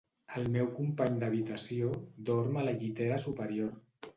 El meu company d'habitació dorm a la llitera superior.